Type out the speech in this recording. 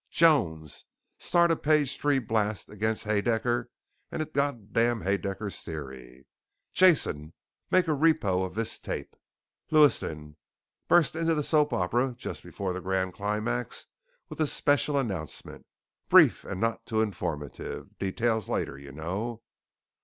Jones? Start a Page Three blast against Haedaecker and his goddammed 'Haedaecker's Theory.' Jason? Make a repro of this tape. Lewiston! Bust into the soap opera just before the grand climax with a 'special announcement.' Brief and not too informative, details later, you know.